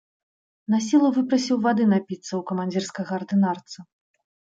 Насілу выпрасіў вады напіцца ў камандзірскага ардынарца.